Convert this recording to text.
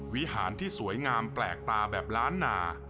วิหารที่สวยงามแปลกตาแบบล้านนา